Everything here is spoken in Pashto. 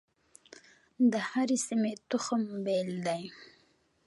د هرې سیمې تخم بیل دی.